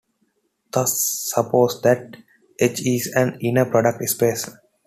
Thus suppose that "H" is an inner-product space.